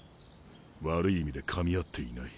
悪い意味でかみ合っていない。